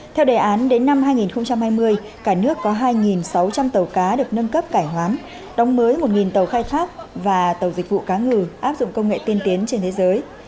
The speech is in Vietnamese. theo đề án đến năm hai nghìn hai mươi cả nước có hai sáu trăm linh tàu cá được nâng cấp cải hoán đóng mới một tàu khai thác và tàu dịch vụ cá ngừ áp dụng công nghệ tiên tiến trên thế giới